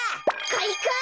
かいか！